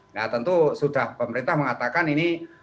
nah tentu sudah pemerintah mengatakan ini